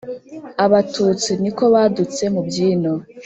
abatutsi ni ko badutse mu by’ino